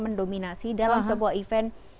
mendominasi dalam sebuah event